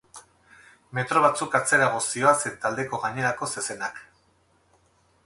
Metro batzuk atzerago zihoazen taldeko gainerako zezenak.